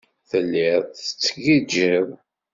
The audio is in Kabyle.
Telliḍ tettgijjiḍ.